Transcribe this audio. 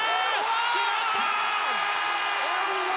決まった！